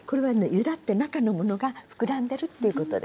ゆだって中のものが膨らんでるっていうことです。